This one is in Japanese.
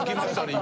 今。